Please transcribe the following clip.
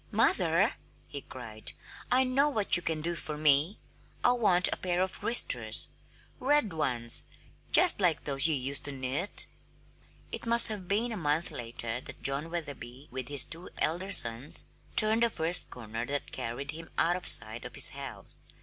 "Mother!" he cried. "I know what you can do for me. I want a pair of wristers red ones, just like those you used to knit!" It must have been a month later that John Wetherby, with his two elder sons, turned the first corner that carried him out of sight of his house.